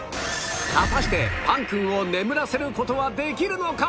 果たしてパンくんを眠らせる事はできるのか？